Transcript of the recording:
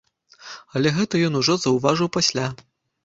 Але гэта ён ужо заўважыў пасля.